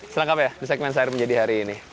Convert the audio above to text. selengkap ya di segmen sehari menjadi hari ini